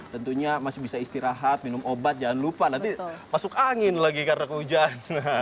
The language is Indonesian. tentunya masih bisa istirahat minum obat jangan lupa nanti masuk angin lagi karena kehujan